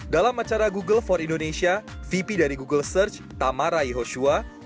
dalam acara google for indonesia vp dari google search tamarai hoshua